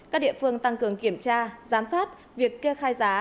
các địa phương tăng cường kiểm tra giám sát việc kê khai giá